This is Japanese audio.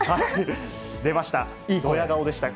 出ました。